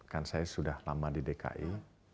kan saya sudah lama di dki